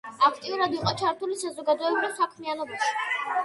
აქტიურად იყო ჩართული საზოგადოებრივ საქმიანობაში.